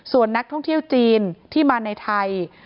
ส่วนนักท่องเที่ยวจีนที่มาในไทย